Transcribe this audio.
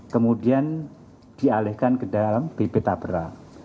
kemudian dialihkan ke dalam bp tabra